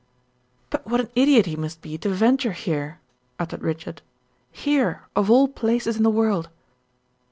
"But what an idiot he must be to venture here!" uttered Richard. "Here of all places in the world!"